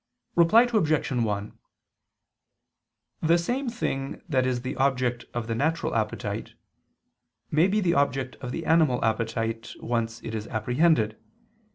Reply Obj. 1: The same thing that is the object of the natural appetite, may be the object of the animal appetite, once it is apprehended.